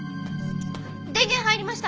電源入りました！